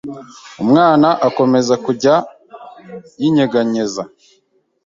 Umwana akomeza kujya yinyeganyeza